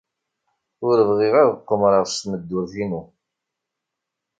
Ur bɣiɣ ad qemmreɣ s tmeddurt-inu.